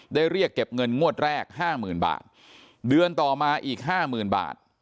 ได้เรียกเก็บเงินงวดแรก๕๐๐๐๐บาทเดือนต่อมาอีก๕๐๐๐๐บาท